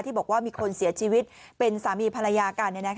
บอกว่ามีคนเสียชีวิตเป็นสามีภรรยากัน